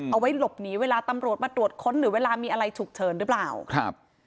เอาไว้หลบหนีเวลาตำรวจมาตรวจค้นหรือเวลามีอะไรฉุกเฉินหรือเปล่าครับ